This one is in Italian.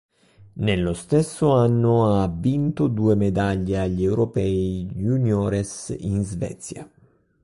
Nello stesso anno ha vinto due medaglie agli Europei juniores in Svezia.